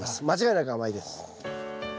間違いなく甘いです。